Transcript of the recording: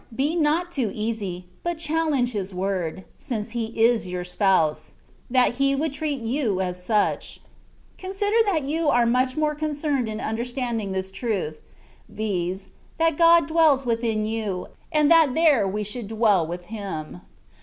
Be not too easy, but challenge His word, since He is your Spouse, that He would treat you as such. Consider that you are much concerned in under standing this truth, viz., that God dwells within you, and that there we should dwell with Him.